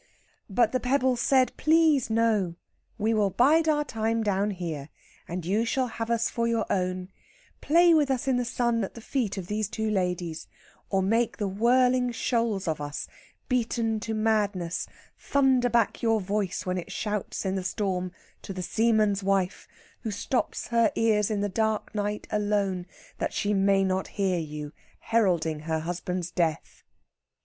But the pebbles said, please, no; we will bide our time down here, and you shall have us for your own play with us in the sun at the feet of these two ladies, or make the whirling shoals of us, beaten to madness, thunder back your voice when it shouts in the storm to the seaman's wife, who stops her ears in the dark night alone that she may not hear you heralding her husband's death.